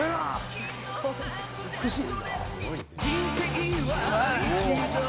美しい。